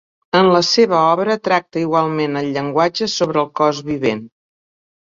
En la seva obra tracta igualment el llenguatge sobre el cos vivent.